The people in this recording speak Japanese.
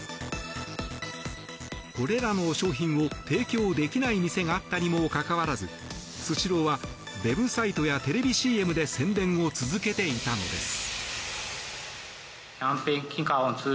これらの商品を提供できない店があったにもかかわらずスシローはウェブサイトやテレビＣＭで宣伝を続けていたんです。